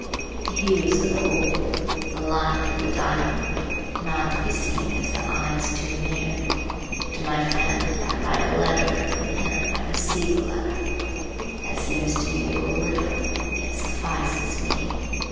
The hues of the opal, the light of the diamond, are not to be seen if the eye is too near. To my friend I write a letter and from him I receive a letter. That seems to you a little. It suffices me.